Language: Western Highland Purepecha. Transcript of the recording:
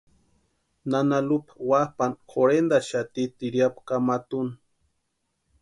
Nana Lupa wapʼani jorhentaxati tiriapu kamatu úni.